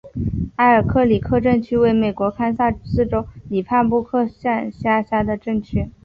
埃尔克里克镇区为美国堪萨斯州里帕布利克县辖下的镇区。